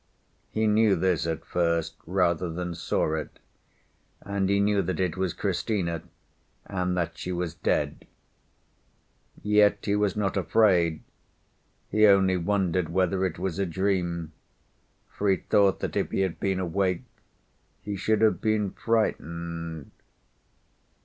He knew this at first rather than saw it, and he knew that it was Cristina, and that she was dead. Yet he was not afraid; he only wondered whether it was a dream, for he thought that if he had been awake he should have been frightened.